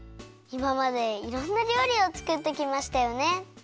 いままでいろんなりょうりをつくってきましたよね。